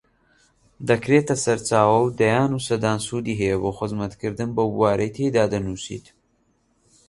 دەکرێتە سەرچاوە و دەیان و سەدان سوودی هەیە بۆ خزمەتکردن بەو بوارەی تێیدا دەنووسیت